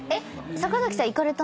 坂崎さん行かれた？